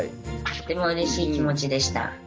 とてもうれしい気持ちでした。